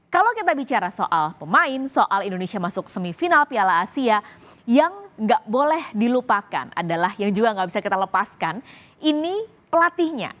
kalau kita bicara soal pemain soal indonesia masuk semifinal piala asia yang nggak boleh dilupakan adalah yang juga nggak bisa kita lepaskan ini pelatihnya